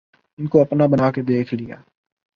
ان کو اپنا بنا کے دیکھ لیا